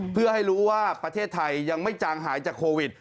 เพื่อให้รู้ว่าประเทศไทยยังไม่จางหายจากโควิด